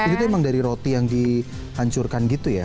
itu emang dari roti yang dihancurkan gitu ya